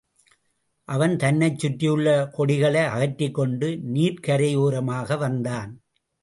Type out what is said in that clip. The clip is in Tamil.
அவன் தன்னைச் சுற்றியுள்ள கொடிகளை அகற்றிக்கொண்டு நீர்க்கரையோரமாக வந்தான்.